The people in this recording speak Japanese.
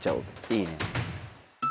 いいね。